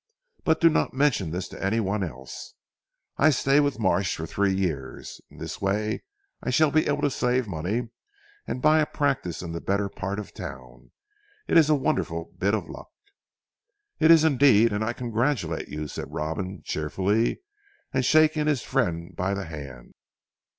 But do not mention this to anyone else. I stay with Marsh for three years. In this way I shall be able to save money and buy a practice in a better part of the town. It is a wonderful bit of luck." "It is indeed, and I congratulate you," replied Robin cheerfully and shaking his friend by the hand.